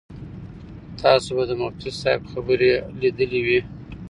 تاسو به د مفتي صاحب خبرې لیدلې وي.